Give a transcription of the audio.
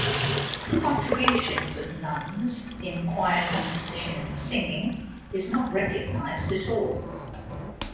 The contributions of nuns, in choir composition and singing, is not recognized at all.